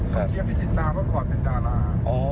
เขาเคลียร์พิจิตาเขากรเป็นดารา